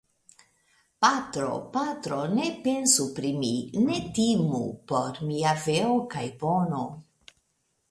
Patro, patro, ne pensu pri mi; ne timu por mia veo kaj bono.